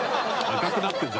赤くなってる？